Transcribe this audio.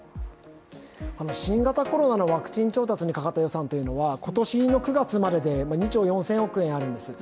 新型コロナのワクチン調達にかかった予算は今年の９月までで２兆４０００億円あるんです。